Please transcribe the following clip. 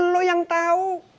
lu yang tau